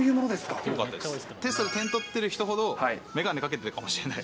テストで点取ってる人ほど、メガネかけてるかもしれない。